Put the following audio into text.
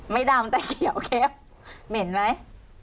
ไม่ดำแต่เขียวเข้มเหม็นไหม